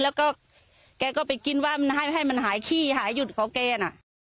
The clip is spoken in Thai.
แล้วก็แกก็ไปกินว่ามันให้มันหายขี้หายหยุดของแกน่ะ